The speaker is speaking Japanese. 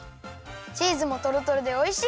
チーズもとろとろでおいしい！